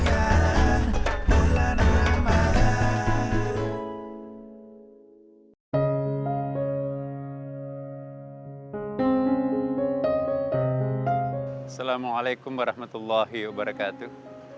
assalamualaikum warahmatullahi wabarakatuh